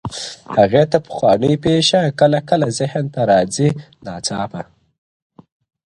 هغې ته پخوانۍ پېښه کله کله ذهن ته راځي ناڅاپه,